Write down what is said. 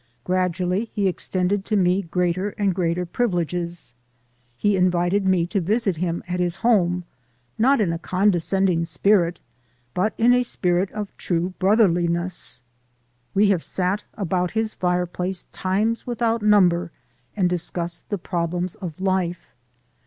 Gradually he extended to me greater and greater privileges ; he invited me to visit him at his home, not in a condescending spirit, but in a spirit of true brotherliness. We have sat about his fireplace times without number and discussed the problems of life.